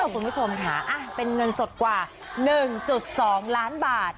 คุณผู้ชมค่ะเป็นเงินสดกว่า๑๒ล้านบาท